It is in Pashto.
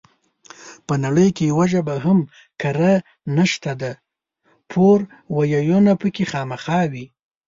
په نړۍ کې يوه ژبه هم کره نشته ده پور وييونه پکې خامخا وي